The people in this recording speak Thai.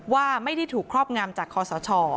ว่าไม่ได้ถูกครอบงามจากคอสช